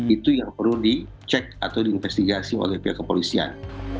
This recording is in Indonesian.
itu yang perlu dicek atau diinvestigasi oleh pihak kepolisian